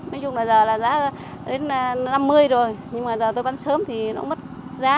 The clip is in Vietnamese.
nói chung là giờ là giá đến năm mươi rồi nhưng mà giờ tôi vẫn sớm thì nó cũng mất giá